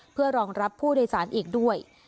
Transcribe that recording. เพื่อรองรับผู้โดยสารอีกด้วย